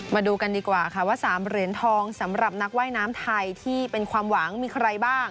มาดูกันดีกว่าค่ะว่า๓เหรียญทองสำหรับนักว่ายน้ำไทยที่เป็นความหวังมีใครบ้าง